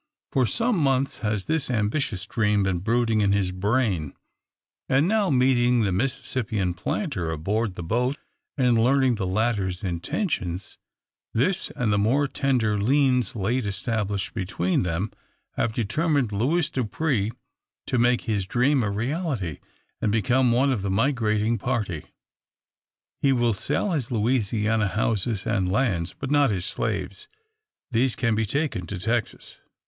For some months has this ambitious dream been brooding in his brain; and now, meeting the Mississippian planter aboard the boat and learning the latter's intentions, this, and the more tender liens late established between, them, have determined Louis Dupre to make his dream a reality, and become one of the migrating party. He will sell his Louisiana houses and lands, but not his slaves. These can be taken to Texas.